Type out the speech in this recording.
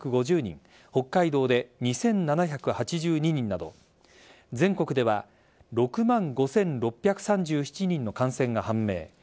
北海道で２７８２人など全国では６万５６３７人の感染が判明。